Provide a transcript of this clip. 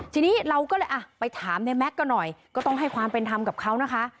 ทีนี้เราก็เลยอ่ะไปถามในแม็กซ์กันหน่อยก็ต้องให้ความเป็นธรรมกับเขานะคะ